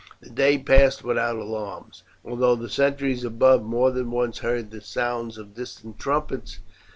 The day passed without alarms, although the sentries above more than once heard the sounds of distant trumpets.